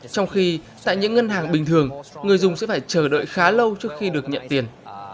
trong khi tại những ngân hàng bình thường người dùng sẽ phải chờ đợi khá lâu trước khi được nhận tiền